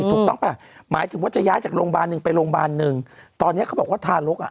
ถูกต้องป่ะหมายถึงว่าจะย้ายจากโรงพยาบาลหนึ่งไปโรงพยาบาลหนึ่งตอนเนี้ยเขาบอกว่าทารกอ่ะ